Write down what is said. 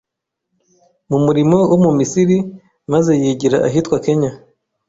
mu murimo wo mu Misiri maze yigira ahitwa kenya